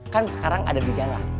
kan sekarang ada di jalan